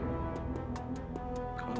padaaient ya tiga ratus sesuatu